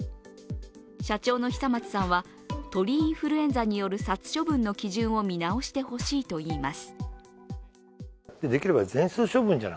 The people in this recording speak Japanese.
社長の久松さんは、鳥インフルエンザによる殺処分の基準を見直してほしいといいます。